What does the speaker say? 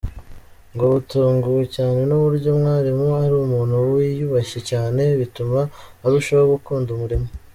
Ngo batunguwe cyane n’uburyo mwarimu ari umuntu wiyubashye cyane, bituma arushaho gukunda umurimo.